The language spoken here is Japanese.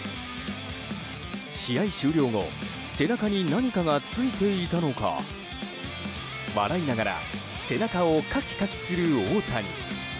試合終了後背中に何かがついていたのか笑いながら背中をかきかきする大谷。